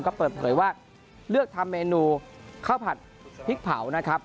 หรือว่าเลือกทำเมนูข้าวผัดพริกเผานะครับ